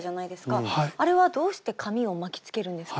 あれはどうして紙を巻きつけるんですか？